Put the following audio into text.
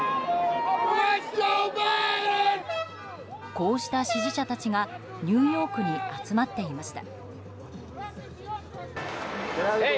こうした支持者たちがニューヨークに集まっていました。